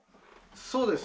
そうです。